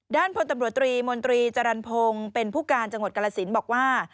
ด้านพนตำรวจตรีมจรันทรงเป็นผู้การจังหวัดกรสินบอกว่า